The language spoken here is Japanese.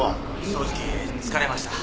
正直疲れました。